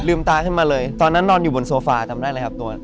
ตาขึ้นมาเลยตอนนั้นนอนอยู่บนโซฟาจำได้เลยครับตัว